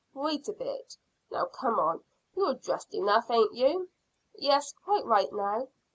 Wait a bit. Now come on; you're dressed enough, ain't you?" "Yes, quite right now."